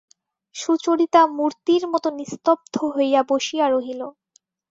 সুচরিতা মূর্তির মতো নিস্তব্ধ হইয়া বসিয়া রহিল।